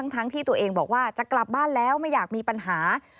ทั้งที่ตัวเองบอกว่าจะกลับบ้านแล้วไม่อยากมีปัญหา